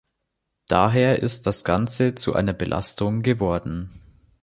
Daher ist das Ganze zu einer Belastung geworden.